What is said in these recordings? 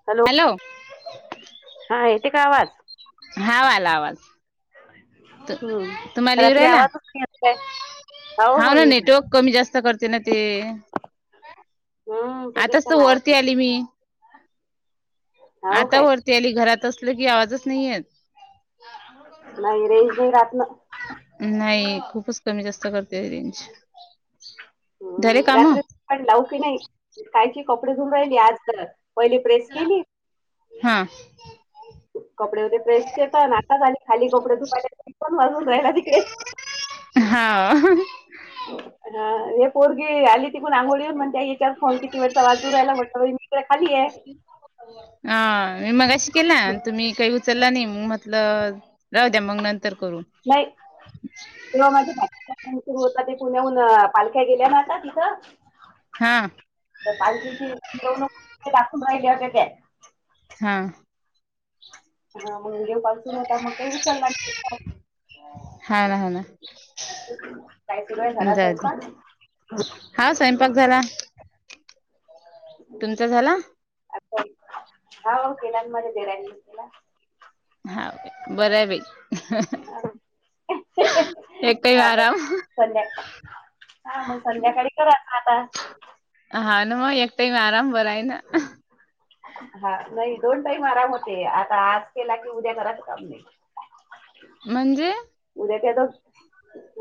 Hello hello हा येत काय आवाज हा आला आवाज हम्म तुम्हाला युवू रात्री राहिला आवाजच नाही येत काय हो हा हो ना येऊ काय. नेटवर्क कमी जास्त करते ना ते हम्म त्याच्यात आताच पण तर आवाज वरती आली मी हो आता काय वरती आली घरात असल की आवाजच नाही येत अंघोळ करून नाही करून रेंज घे नाही राहत ना मग नाही खूपच कमी जास्त करते रेंज जाले हम्म काम. रात्री पण लाव की नाही कायची कपडे धुन राहिली आज तर पहिली प्रेस केली हा. कपडे होते प्रेसचे तर आताच आली खाली कपडे धुवायला पण रडून राहिला तिकडे हा हा हे पोरगी आली तिकून आंघोळीऊन म्हण त्या फोन किती वेळचा वाजूरायलाटत मित्र खाली आहे हा मी मग अशी केला तुम्ही काही उचलला नाही म म्हटलं राहू द्या मग नंतर करू नाही तेव्हा माझे काम सुरू होत ते पुण्याहून पालख्या गेल्या ना आता तिथं हा तर पालखीची मिरवणूक दाखवून राहिल्या होत्या त्या हा हा मगे पासून [inaudible] हाना. सुरू आहे झाला जाऊदे स्वयंपाक? हा स्वयंपाक झाला. तुमचा झाला. अस ह केलां माझा दिराने केला. हा बर बाई एक काही ह आराम संद्या हा मग संध्याकाळी करल ना आता हा ना मग एक टाईम आराम बरं आहे ना. हा नाही दोन टाईम आराम होते आता आज केला की उद्या घरात काम नाही म्हणजे. उद्या काय दो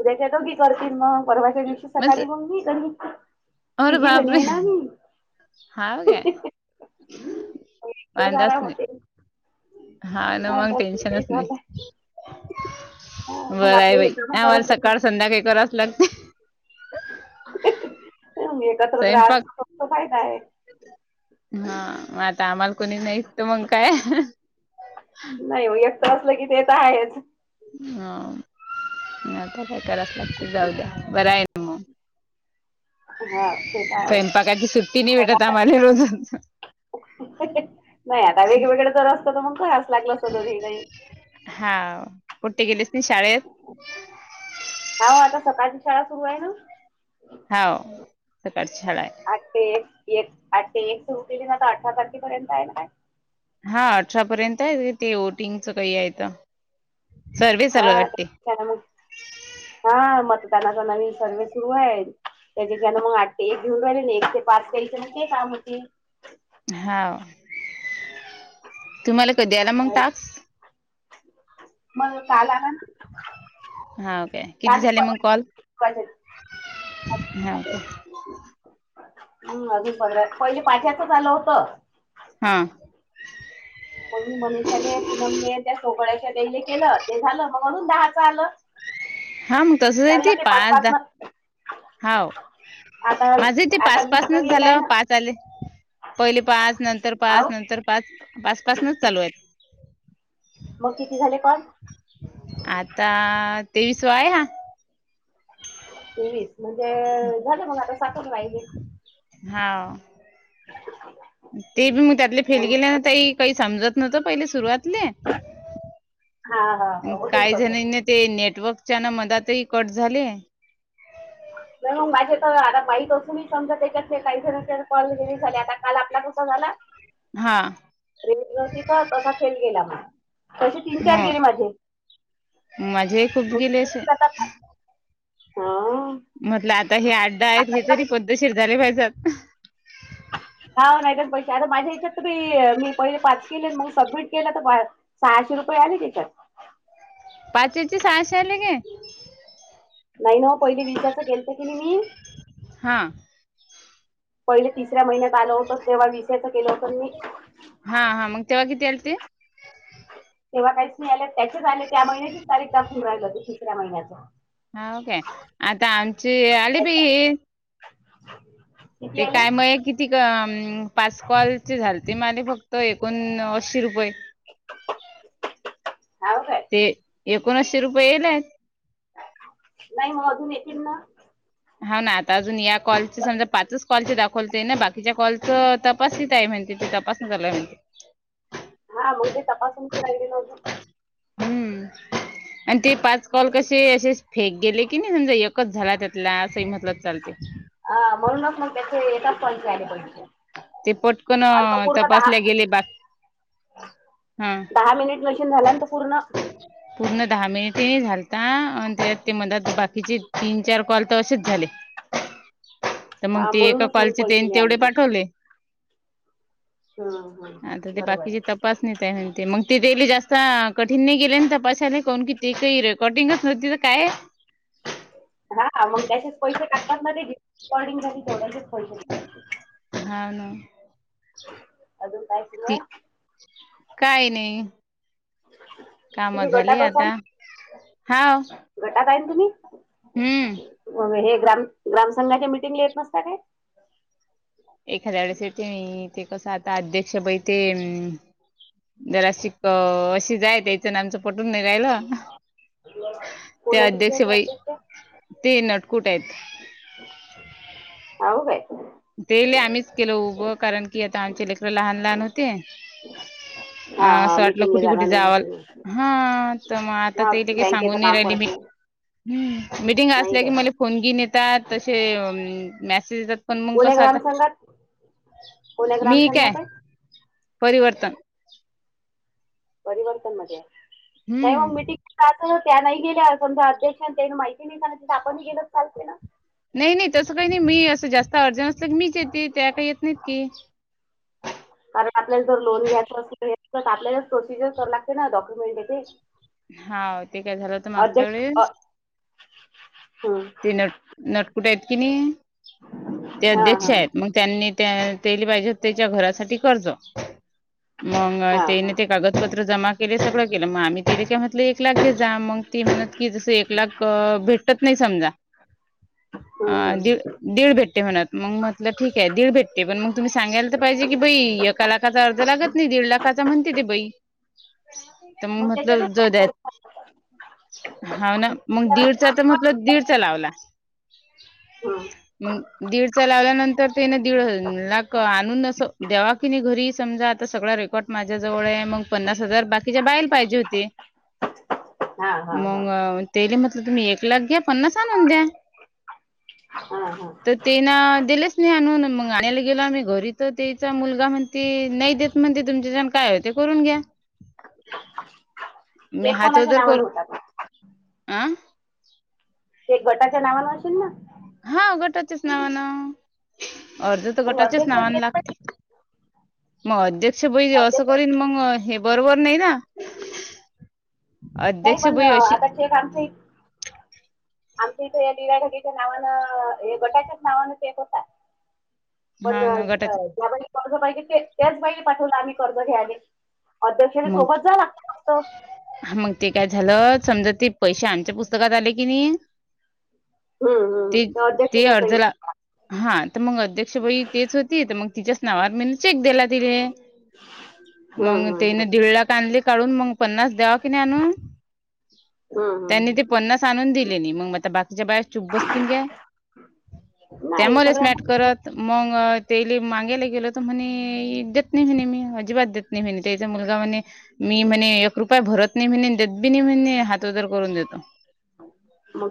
उद्या काय दोघी करतील मग. परवाच्या दिवशी सकाळी मग मी करीन आरे तिघी जणी बापरे आहे ना आम्ही. हाव काय हो रोज वांदाच आराम नाही होते. हा ना मग बस मी टेन्शनच काही नाही. हां, मग बरं आपले आहे हे बाई कामं आम्हाला करत बसू सकाळ ना. संध्याकाळी करावच लागते. एकत्र स्वयंपाक राहा फायदा आहे. हा मग आता आम्हाला कोणी नाही त मग काय नाही एकट असलं की तेेत आहेच. हं आता काय करावच लागते जाऊ द्या बर आहे ना मग हां ते तर आहे. स्वयंपाकाची सुट्टी नाही भेटत आम्हाला रोज नाही आता वेगवेगळं जर असत तर मग करावच लागल असत दोघींनाही हां कुठे गेलेच नाही शाळेत हां आता सकाळची शाळा सुरू आहे ना. हाव सकाळची शाळा आहे. अ तेे. एक आठ ते एक ड्युटी आता अठरा तारखेपर्यंत आहे ना. हा अठरा पर्यंत आहे ते वओटिंगच काही आहे तर सर्वे चालू आहे आ ते हा मतदानाचा नवीन सर्ववे सुरू आहे. त्याच्यािकन मग आठ ते एक घेऊन राहिले एक ते पास केयच मग ते काम होतील हाव तुम्हाला कधी आला मग टास्क. मला काल आला ना. हा ओके किती काल नाही झाले मग कॉल परवा हा ओके हम् अजून पंधरा पहिले पाच याच आलं होत. हा. मग मी मनिषाले पूनमले त्या सोगळ्याच्या ते जे केलं ते झालं मग म्हणून दहाचं आलं. हा मग तसच हाय चाललं की ते पाच दहा न हाव आता माझं ते आता पाच वीस तर पाचनच येलाय झालं ना पाच आले पहिले पाच नंतर पाच अहो नंतर पाच पाच पाचनच चालू आहेत. मग किती झाले काल आता तेवीसवा आहे हा स म्हणजे झालं मग आता साठून पाहिजे हा ते बी मग त्यातले फेल गेल्यान काही समजत नव्हतं पहिले सुरुवातले हा हा हा होतेच काही तसं. जणांना ते नेटवर्कच्या ना मनाातही कट झाले म मग माझे तर आता माईट असूनी समजा त्याच्यात काहीतरी पल दिरी झाले आता काल आपला कसा झाला हा रे होती तर तसा खेल गेला म तसे तीन चार गेले माझे मजे खूप मग गेले अस हा म्हटलं आता हे आड्डा आहेत हे तरी पद्दशीर झाले पाहिजात हा नाही तर पैसे आता माझ्या हच्यात तुम्ही मी पहिले पास केले मग सबमिट केलं तर सहाशे रुपये आले त्याच्यात पाचचे सहाशे आले ग नाही ना पहिली वीजचं गेलत की नाही मी हां पहिले तिसऱ्या महिन्यात आलं होतं तेव्हा विषयाच केलं होतं मी हा हा मगत्यवागितेती तेव्हा काहीच नाही आले त्याचेच आले त्या महिन्याचीच तारीखाखून राहिल होती तिसऱ्या महिन्यां हा का आता आमची आली बी त्याच्यात [unintelligible] ते काय म किती पास कॉलचे झालेते माझ फक्त तर एकोण असशी रुपये ह का ते एकोणशी रुपये येले आहेत नाही मग अजून येतील ना हा ना आता अजून या कॉल समजा पाच कॉल दाखवते ना बाकीच्या कॉलच तपासत आहे म्हणते ते तपासणी झाय म्हणते हा बहु ते तपासूनच राहिलेेलं होतं हम्म आणि ते पाच कॉल कसे असेच फेक गेले की नाही समजा एकच झाला त्यात असही म्हटलंच चालते हा म्हणूनच मग त्याचे येतात पंच आले पंचे ते पटकन तपासल्या गेले बाकी हा दहा मिनिट मशीन झालानंत पूर्ण पूर्ण दहा मिनिटे झालता आणि त्यात ते मध बाकीचे तीन चार कॉल तशीच झाले तर मग तेी एका म्हणूनच मग कॉलचे पैसे तेन नाही तेवढे आले ते पाठवले हम्म हम्म आता ते बरोबर बाकीचे आहे तपासणी त्या म्हणते मग ती गली जास्त कठीण नाही गेले तर पशाला कोून की ते काही कॉटिंगच नव्हती तर काय हा मग त्याचेच पैसे काढतात नाकॉर्डिंगसाठी तेवढ्याचेच पैसे देतात हा ना अजून काय सुरू ती आहे काय नाही काम तुम्ही झाली गटात असाल आता हा गटात आहे ना तुम्ही म हे ग्राम ग्राम संंघाच्या मिटिंगला येत नसता काय एखाद्या वेळेस येते मी ते कसं आता अध्यक्ष बई ते जराशी क अशी जाय त्याचं नं आमचं पटून नि रायला कोण त्या आहे तुमच्या अध्यक्ष इथं बाई अध्यक्ष ते नटकुट आहेत हो काय ते ल आम्हीच केलं उभं कारण की आता आमचे लेकरं लहान लहान होते अ हा हा असं वाटलं मिटिंगला कुठे कुठे जाणार नाही होत जावल तुम्ही हा तर मग आता हा तेले काही सांगून बँकेचं नाही काम राहिली मी पडते मिटिंग नाही असल्या की काय मला फोन बिन येतात तसे मेसेज येतात पण मग कोण आहे कस आता ग्रामसंघात पुणे ग्राम मी काय संघात परिवर्तन परिवर्तन मध्ये नाही हम्म मग मिटिंग त्या नाही गेल्या समजा अध्यक्षां त्या माहिती नाही झाल आपण गेलंच चालतेय ना नाही नाही तसं काही नाही मी असं जास्त अडजण असलं की मीच येते त्या काही येत नाहीत की कारण आपल्याला जर लोन घ्यायचं असेल तर आपल्यालाच प्रोसिजर करावी लागते ना डॉक्युमेंट हे ते हा ते काय झालं होत मागच्या वेळेस हम् ते नट नटकुट आहेत कि नाही ते हां अध्यक्ष हां आहेत मग त्यांनी त्याली पाहिजे होतं त्याच्या घरासाठी कर्ज मग हां त्याने हां ते कागदपत्र जमा केले सगळं केलं मग आम्ही त्याले काय म्हंटली एक लाख घे जा मग ती म्हणत कि जस एक लाख भेटत नाही समजा अ हं, हं, हं. दिडं दीड भेटते म्हनंत मग म्हटलं ठीक आहे दीड भेटते पण मग तुम्ही सांगायला तर पाहिजे की बाई एका लाखचा अर्ध लागत नाही दीड लाखाचा म्हणते ते बाई तर मग म्हटलं त्याच्यातच जाऊ द्या काय हा ना मग दीडचा तर म्हटलं दीड च लावला हं. मग दीडचा लावल्यानंतर त्याने दीड लाख आणूनच अस द्यावा घरी समजा आता सगळा रेकॉर्ड माझ्या जवळ आहे मग पन्नास हजार बाकी हिच्या बाई ला पाहिजे होती हां हां हां मग ते म्हटलं तुम्ही एक लाख घ्या पन्नास आणून द्या हा हा तर तेना दिलेच नाही आणून मग आणायला गेलो आम्ही घरी तर तेचा मुलगा म्हण ते नाही देत म्हणते ते तुमचाच्यान काय होते ते करून घ्या मी चेक हात कोणाच्या जर कर नावानं होता पण अं ते गटाच्या नावान अशेल ना हा गटाच्याच नावानं अर्ज तर मग गटाच्याच अध्यक्ष नावानं गेला पाहिजे लागतं मग अध्यक्ष बई असं करीन अध्यक्ष मग हे बरोबर नाही ना नाही अध्यक्ष पण बाई अशी आता चेक आमचे आमच्या इथं या राढकीेच्या नावानं हे गटाच्याच नावानं चेक होता [inaudible] पण हा ना गटाचे ज्या बाईला कर्ज पाहिजे त्याच बाईला पाठवलं आम्ही कर्ज घ्याले अध्यक्षांनी सोबत जावे लागतं फक्त हा मग ते काय झालं समजा ते पैसे आमच्या पुस्तकात आले की नाही हम्म हम्म ते त्या ते अध्यक्षाच्या अर्ध सही. ला हा तर मग अध्यक्ष बई तेच होती तर मग तिच्याच नावावर मी चेक दिला दिेले मंग हम्म हम्म दीड लाख आणले काढून मग पन्नास द्यावा की नाही आणून हम्म हम्म त्यांनी हम्म ते पन्नास आणून दिले नाही मग आता बाकीच्या बाया चुप बसतील काय हम्म. नाही त्यामलेच सगळ्या नाट करत मग तेली मागायला गेल तर म्हणे देत नाही म्हणे मी अजिबात देत नाही म्हणे त्याचा मुलगा म्हणे मी म्हणे एक रुपय भरत नाही म्ह देत बी नाही म्हणे हात वदर करून देतो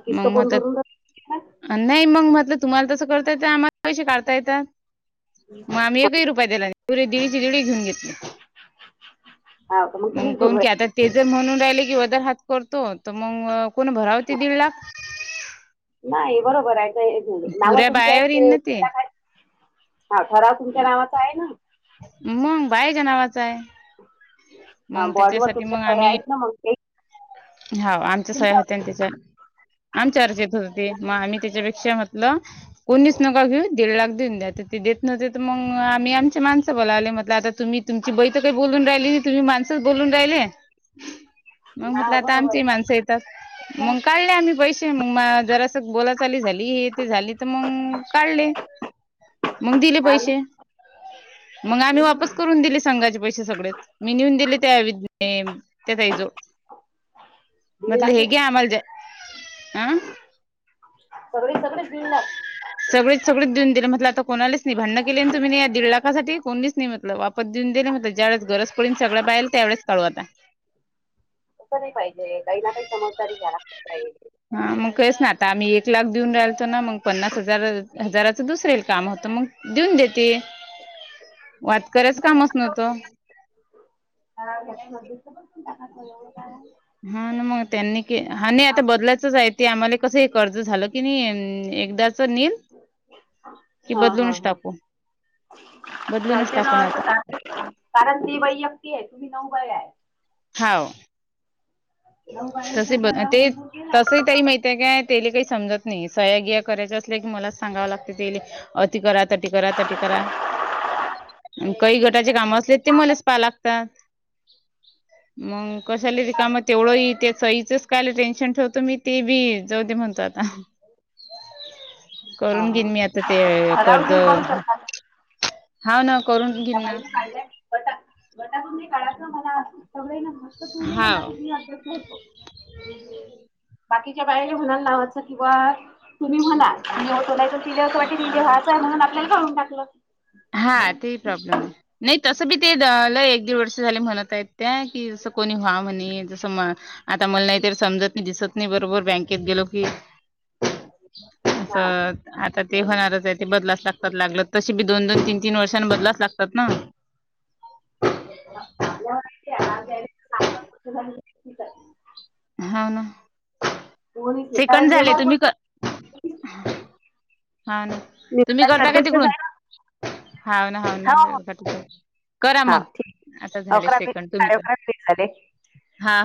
किस्त मग मग कोण तर भरून राहिलं? नाही मग म्हटलं तुम्हाला तसं करता येतं आम्हाला पैसे काढता येतात मग आम्ही एकही रुपया दिला नाही पुरे दिडचे दिडं घेऊन घेतली हा का मग तुम्हीच कोन की भरवायची. आता ते जर म्हणून राहिल की वदर हात करतो तर मग कोण भरावे ते दीड लाख नाही बरोबर आहे नाव पुऱ्या तुमच्या बायावर येईन ना ते हा ठराव तुमच्या नावाचा आहे ना मंग बायच्या नावाचं आहे मग बॉन्डवर त्याच्यासाठी तुमच्या मग सह्या आम्ही आहेत ना मग ते हा आमच्या सय तुमच्या होते आणि त्याच्या आमच्या चर्चेत होतती मग आम्ही त्याच्यापेक्षा म्हतलं कोणीस नका घेऊ दीड लाख देऊ द्या तर ते देत नव्हते तर मग आम्ही आमच्या माणसं बोलावले म्हटलं आता तुम्ही तुमची बै तर काही बोलून राहिली तुम्ही माणसच बोलून राहिले मग हा म्हटलं आता बरोबर आमची माणसं येत आहे. मग काढले आम्ही पैसे मग म जर असं बोला चाली झाली हे ते झाली तर मग काढले मग दिले हा ना पैसे मग आम्ही हम्म वापस करून दिले सांगायचे पैसे सगळे मी नेऊन दिले त्या त्यातई जो भीड मतल ह लागते हेग तिथे. आमलज अह सगळे हे सगळे मिळून सगळेच सगळेच देऊन दिले म्हटलं आता कोणालाच नाही भांडण केले तुम्ही या दीड लाखासाठी कोणणी नाही मटलं वापर देऊन दिले म्हट ज्यावेळेस गरज पडन सगळं बाहिल त्यावेळेस काढू आता असं नाही पाहिजे काही ना काही समजदारी घ्याला पाहिजे हा मग कहीच ना आता आम्ही एक लाख देऊन राहिलतो ना मग पन्नास हजार हजाराचं दुसरेल काम होतं मग देऊन देते वातकऱ्याच कामच नतो न टा एवढं काय आहे. हा ना मग त्यांनी के हा आता आप बदलायचच आहे ते आम्हाला कसं हे कर्ज झालं की नाही एकदाच नील की हा हा बदलूनच हा टाकू बदलूूनच चालते ना टाकू असं नाता टाक- कारण ते वैयक्त आहे तुम्ही नऊभळ आहे हाव नऊ बाईचा तसे ब ठराव ते मंजूर केला तस त माहि ते काय तेले काही समजत नाही सह्यागी या करायं असले की मला सांगावं लागते तेले अत करराात तट करा तट करा काही गटाचे काम असले ते मलेच पाहा लागतात मग कशालेरी काम तेवढंही त्या सईचच कायल टेन्शन ठेवतो मी ते बी जाऊ दे म्हणतो आता करून घेईन मी आता ते ठराव कर्ज घेऊन करू हा ना करून घेईन ना बाहिने काढलंयट वटाभुी काळाच मला अस सगळे ना हक्त तूर् म्हण्या हाव मी अपध्यक्ष होतो बाकीच्यां बायां ने म्हणा नावाचं किं बा तुम्हीं म्हणां आणि अस बोलांय तर तिल असं वाटील की ईले व्हांच आहे म्हणून आपल्यांला खाळूंन टाकलं हा ते प्रॉब्लेम आहे नाहीं तसं बी ते लंय एक दीड वर्षं झाले म्हणतं आहेत. त्या की जसं कोणी हांव म्हणे जसं म आता मलां की समजतं नाही दिसतं नाहीं बरोबर बँकेत गेलो की हा असं आता ते होणारंच आहे ते बदलांस लागतं लागलं तशी बी दोन तीनं तीनं वर्षांनीं बदलाचं लागतांत नां आपल्या मातीम झा हा ना कोणीच नाही सेकंड कारण झाले व्यवहार तुम्ही कोणी हा तुम्ही निवृत्ताचे करता काय अध्यक्षच तिकडून आहे ना हावन हावन हा हाव. करां हा ठीक मंग आता झाले अकरा मिनिट सेकंड साडे तुम्हीं अकरा मिनिट झाले